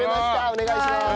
お願いします。